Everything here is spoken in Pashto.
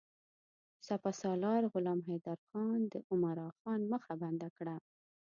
سپه سالار غلام حیدرخان د عمرا خان مخه بنده کړه.